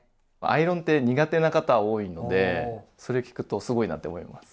アイロンって苦手な方多いのでそれ聞くとすごいなって思います。